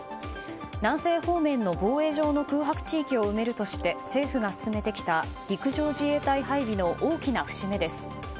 南西方面の防衛上の空白地域を埋めるとして政府が進めてきた陸上自衛隊配備の大きな節目です。